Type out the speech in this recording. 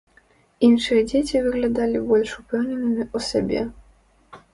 Іншыя дзеці выглядалі больш упэўненымі ў сабе.